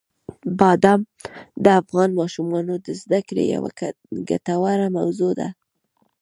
بادام د افغان ماشومانو د زده کړې یوه ګټوره موضوع ده.